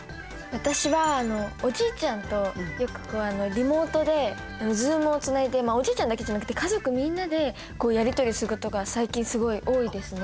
私はおじいちゃんとよくリモートでズームをつないでおじいちゃんだけじゃなくて家族みんなでやり取りすることが最近すごい多いですね。